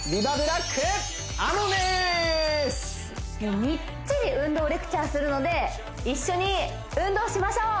もうみっちり運動レクチャーするので一緒に運動しましょう！